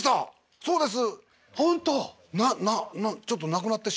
そうです。